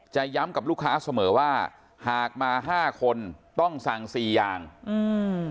ย้ำกับลูกค้าเสมอว่าหากมาห้าคนต้องสั่งสี่อย่างอืม